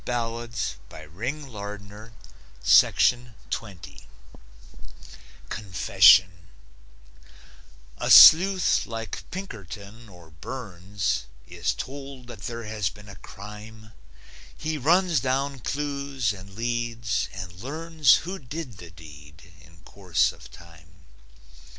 CONFESSION A sleuth like Pinkerton or Burns Is told that there has been a crime. He runs down clues and leads, and learns Who did the deed, in course of time.